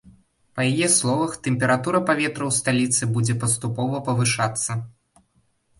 Па яе словах, тэмпература паветра ў сталіцы будзе паступова павышацца.